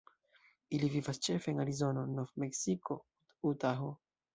Ili vivas ĉefe en Arizono, Nov-Meksiko, Utaho.